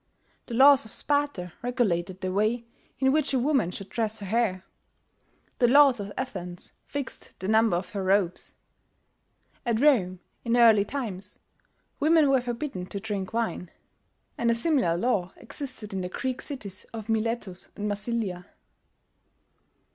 The laws of Sparta regulated the way in which a woman should dress her hair; the laws of Athens fixed the number of her robes. At Rome, in early times, women were forbidden to drink wine; and a similar law existed in the Greek cities of Miletus and Massilia.